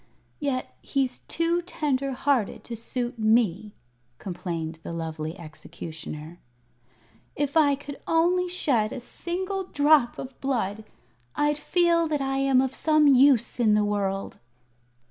"Yet he's too tender hearted to suit me," complained the lovely Executioner. "If I could only shed a single drop of blood, I'd feel that I am of some use in the world."